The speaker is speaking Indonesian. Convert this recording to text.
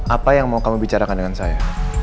apa yang mau kami bicarakan dengan saya